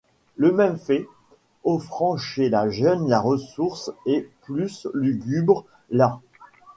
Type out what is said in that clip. Le même fait, offrant chez la jeune la ressource, et plus lugubre là.